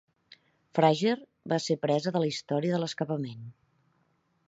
Frager va ser presa de la història de l'escapament.